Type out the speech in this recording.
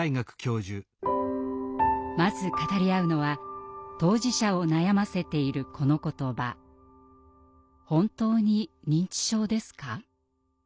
まず語り合うのは当事者を悩ませているこの言葉「ほんとうに認知症ですか？」。